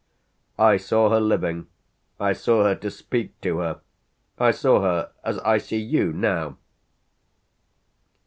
"I saw her living I saw her to speak to her I saw her as I see you now!"